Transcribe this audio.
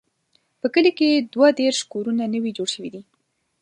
په کلي کې دوه دیرش کورونه نوي جوړ شوي دي.